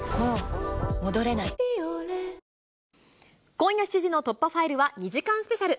今夜７時の突破ファイルは、２時間スペシャル。